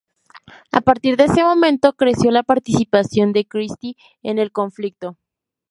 A partir de ese momento creció la participación de Christie en el conflicto.